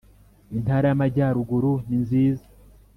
Intara y Amajyaruguru ninziza